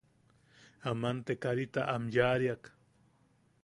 Aman te karita am yaʼariak.